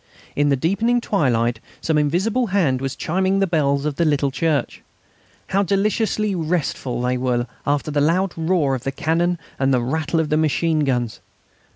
In the deepening twilight some invisible hand was chiming the bells of the little church. How deliciously restful they were after the loud roar of the cannon and the rattle of the machine guns!